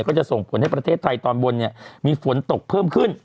ก็จะส่งผลให้ประเทศไทยตอนบนเนี่ยมีฝนตกเพิ่มขึ้น